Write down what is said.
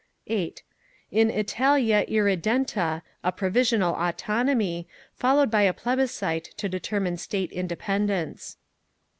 (8) In Italia Irridenta a provisional autonomy, followed by a plebiscite to determine state dependence.